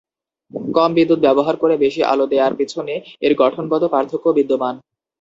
কম বিদ্যুৎ ব্যবহার করে বেশি আলো দেয়ার পেছনে এর গঠনগত পার্থক্য বিদ্যমান।